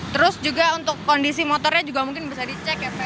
terus juga untuk kondisi motornya juga mungkin bisa dicek ya pak